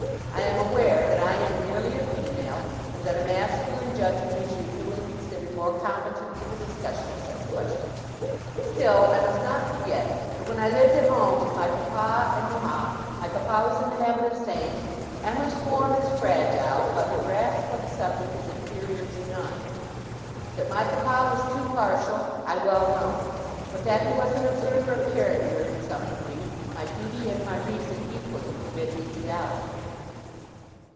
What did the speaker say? I am aware that I am merely a female, and that a masculine judgement is usually considered more competent to the discussion of such questions; still I must not forget that, when I lived at home with my papa and mama, my papa was in the habit of saying, "Emma's form is fragile, but her grasp of a subject is inferior to none." That my papa was too partial, I well know; but that he was an observer of character in some degree, my duty and my reason equally forbid me to doubt.